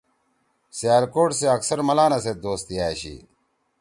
سیالکوٹ سی اکثر ملانا سیت دوستی أشی